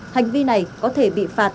hành vi này có thể bị phạt